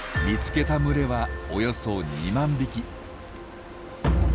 見つけた群れはおよそ２万匹。